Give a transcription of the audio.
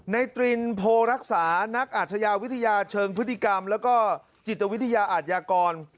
ตรินโพรักษานักอาชญาวิทยาเชิงพฤติกรรมแล้วก็จิตวิทยาอาชญากร